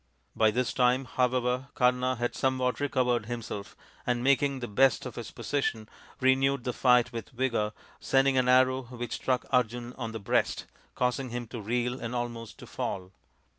By this time, however, Kama had somewhat recovered himself, and making the best of his position renewed the fight with vigour, sending an arrow which struck Arjun on the breast, causing him to reel and almost to fall.